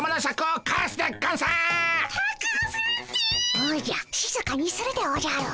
おじゃしずかにするでおじゃる。